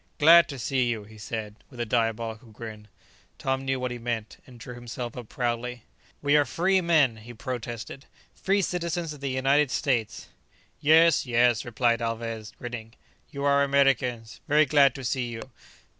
"Glad to see you!" he said, with a diabolical grin. Tom knew what he meant, and drew himself up proudly. "We are free men!" he protested, "free citizens of the United States!" "Yes, yes!" replied Alvez, grinning, "you are Americans; very glad to see you!"